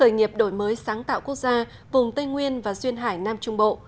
nghiệp đổi mới sáng tạo quốc gia vùng tây nguyên và duyên hải nam trung bộ